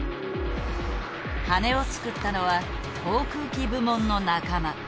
羽根を作ったのは航空機部門の仲間。